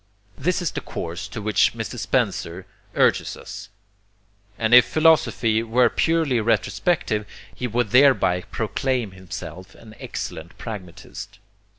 This is the course to which Mr. Spencer urges us; and if philosophy were purely retrospective, he would thereby proclaim himself an excellent pragmatist.